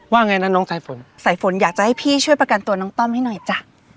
ไงนะน้องสายฝนสายฝนอยากจะให้พี่ช่วยประกันตัวน้องต้อมให้หน่อยจ้ะ